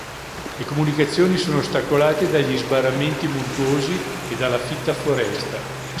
Le comunicazioni sono ostacolate dagli sbarramenti montuosi e dalla fitta foresta.